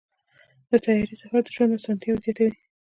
د طیارې سفر د ژوند اسانتیاوې زیاتوي.